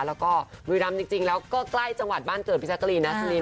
แล้วก็บุรีรำจริงแล้วก็ใกล้จังหวัดบ้านเกิดพี่แจกรีนนะสุริน